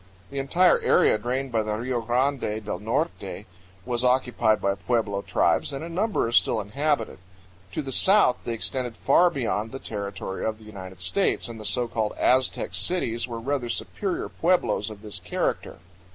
The entire area drained by the Rio Grande del Norte was occupied by pueblo tribes, and a number are still inhabited. To the south they extended far beyond the territory of the United States, and the so called Aztec cities were rather superior pueblos of this character.